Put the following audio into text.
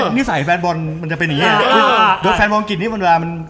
มีชั้นเชิง